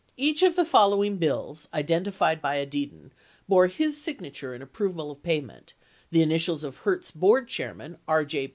Each of the following bills identified by Edidin bore his signature in approval of payment, the initials of Hertz board chairman, K. J.